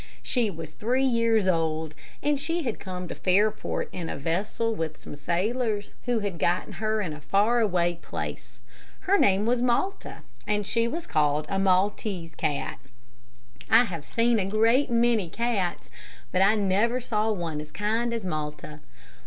She was three years old, and she had come to Fairport in a vessel with some sailors, who had gotten her in a far away place. Her name was Malta, and she was called a maltese cat. I have seen a great many cats, but I never saw one as kind as Malta.